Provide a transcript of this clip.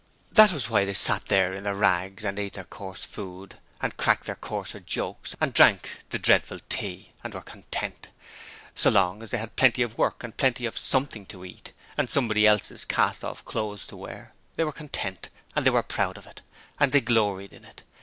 That was why they sat there in their rags and ate their coarse food, and cracked their coarser jokes, and drank the dreadful tea, and were content! So long as they had Plenty of Work and plenty of Something to eat, and somebody else's cast off clothes to wear, they were content! And they were proud of it. They gloried in it.